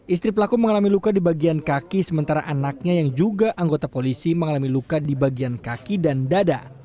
istri pelaku mengalami luka di bagian kaki sementara anaknya yang juga anggota polisi mengalami luka di bagian kaki dan dada